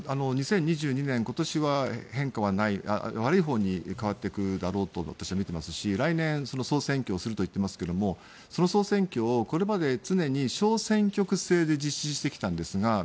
２０２２年今年は変化はない悪いほうに変わっていくだろうと私は見ていますし来年、総選挙をすると言っていますがその総選挙をこれまで小選挙区制で実施してきたんですが。